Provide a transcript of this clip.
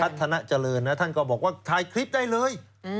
ชนะเจริญนะท่านก็บอกว่าถ่ายคลิปได้เลย